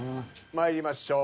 まいりましょう。